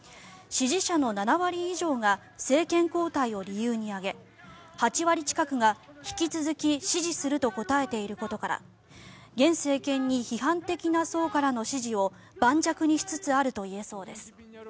支持者の７割以上が政権交代を理由に挙げ８割近くが引き続き支持すると答えていることから現政権に批判的な層からの支持を盤石にしつつあると言えそうです。